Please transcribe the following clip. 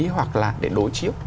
hoặc là để đối chiếc